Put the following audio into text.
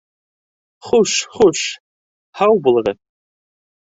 Хуш, хуш, һау булығыҙ.